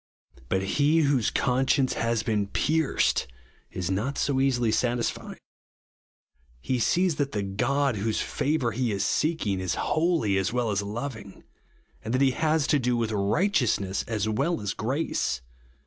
But he whose conscience has been pierced, is not so easily satisfied. He sees that the God, whose favour he is seeking, is holy as well as loving ; and iliat be lias to do witb righteousness as well as grace.